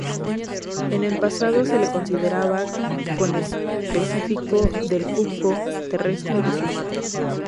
En el pasado se le consideraba conespecífico del cuco terrestre de Sumatra.